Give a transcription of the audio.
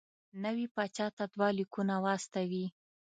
نوي پاچا ته دوه لیکونه واستوي.